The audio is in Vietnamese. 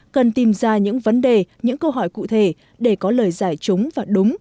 cần tìm ra những vấn đề những câu hỏi cụ thể để có lời giải chúng và đúng